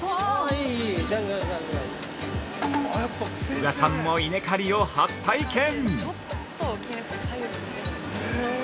◆宇賀さんも稲刈りを初体験！